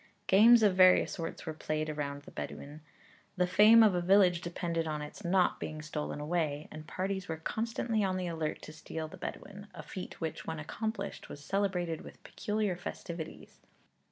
Games of various sorts were played around the bedwen. The fame of a village depended on its not being stolen away, and parties were constantly on the alert to steal the bedwen, a feat which, when accomplished, was celebrated with peculiar festivities.